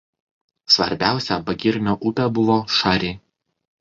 Svarbiausia Bagirmio upė buvo Šari.